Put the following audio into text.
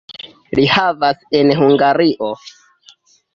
Li vivas en Hungario.